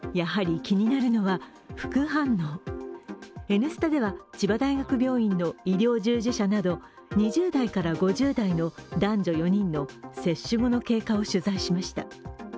「Ｎスタ」では千葉大学病院の医療従事者など２０代から５０代の男女４人の接種後の経過を取材しました。